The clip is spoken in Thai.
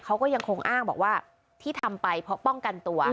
เขาก็ยังคงอ้างบอกว่าที่ทำไปเพราะป้องกันตัว